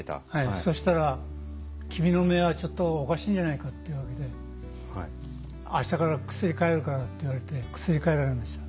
そしたら君の目はちょっとおかしいんじゃないかと言われて明日から薬変えるからって言われて薬変えられました。